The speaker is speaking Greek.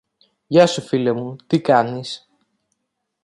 Γεια σου, φίλε μου, τι κάνεις;